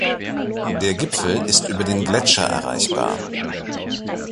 Der Gipfel ist über den Gletscher erreichbar.